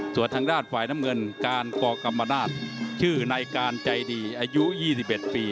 ส่วนทางด้านฝ่ายน้ำเงินการกกรรมนาศชื่อในการใจดีอายุ๒๑ปี